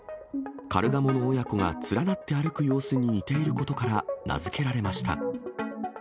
カルガモの親子が連なって歩く様子に似ていることから名付けられました。